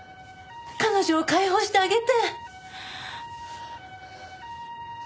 彼女を解放してあげて！